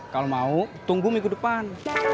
kalau mau tunggu minggu depan